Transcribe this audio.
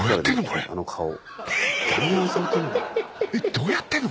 どうやってんの？